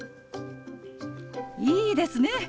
いいですね！